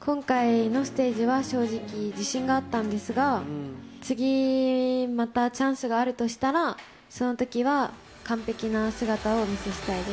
今回のステージは、正直、自信があったんですが、次またチャンスがあるとしたら、そのときは完璧な姿をお見せしたいです。